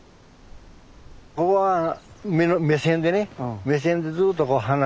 ここは目線でね目線でずっと花がね